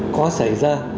có xảy ra